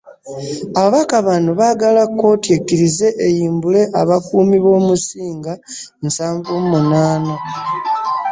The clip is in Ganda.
Ababaka bano baagala kkooti ekkirize eyimbule abakuumi b'omusinga nsanvu mu munaana.